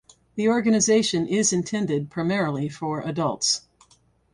The organisation is intended primarily for adults.